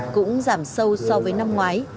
cũng giảm sâu so với năm ngoái